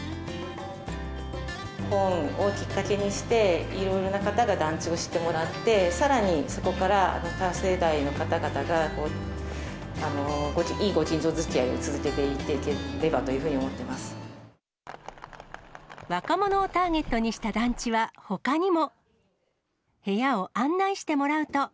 本をきっかけにして、いろいろな方が団地を知ってもらって、さらにそこから、多世代の方々がいいご近所づきあいを続けていっていけければいい若者をターゲットにした団地はほかにも。